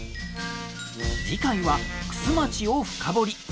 次回は玖珠町を深掘り！